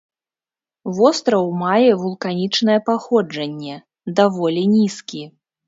Востраў мае вулканічнае паходжанне, даволі нізкі.